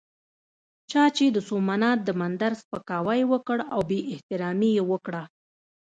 چا چې د سومنات د مندر سپکاوی وکړ او بې احترامي یې وکړه.